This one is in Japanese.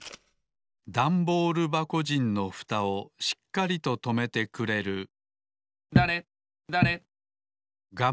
ダンボールばこじんのふたをしっかりととめてくれるだれだれ。